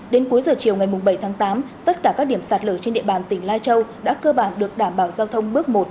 đến cuối giờ chiều ngày bảy tháng tám tất cả các điểm sạt lở trên địa bàn tỉnh lai châu đã cơ bản được đảm bảo giao thông bước một